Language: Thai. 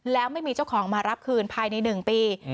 แล้วไม่มีเจ้าของมารับคืนภายใน๑ปี